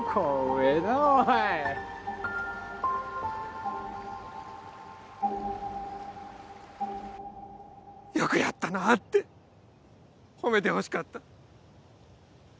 えぇなおい「よくやったな」って褒めてほしかった。